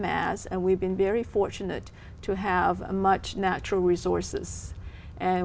và chúng tôi là một người phát triển đất nước rất nổi tiếng